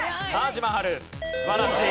素晴らしい。